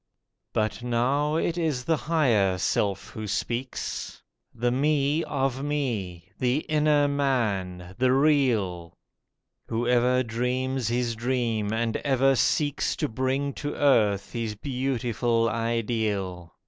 But now it is the Higher Self who speaks— The Me of me—the inner Man—the real— Whoever dreams his dream and ever seeks To bring to earth his beautiful ideal.